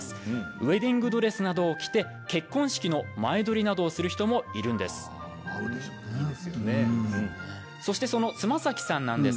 ウエディングドレスなどを着て結婚式の前撮りなどをする人もいるんです。